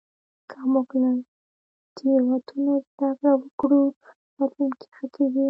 که موږ له تېروتنو زدهکړه وکړو، راتلونکی ښه کېږي.